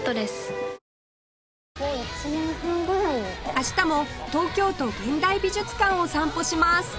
明日も東京都現代美術館を散歩します